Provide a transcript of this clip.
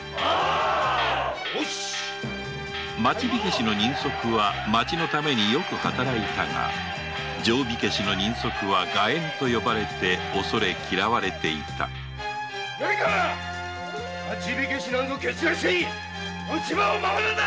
「町火消し」の人足は町のためによく働いたが「定火消し」の人足は「臥煙」と呼ばれて恐れ嫌われていた町火消しなどけ散らして持ち場を守るんだ‼